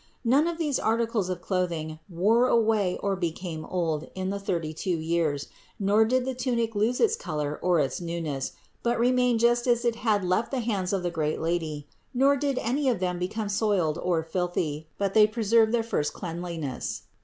None of all these articles of clothing wore away or became old in the thirty two years, nor did the tunic lose its color or its newness, but remained just as it had left the hands of the great Lady; nor did any of them become soiled or filthy, but they preserved their first cleanliness.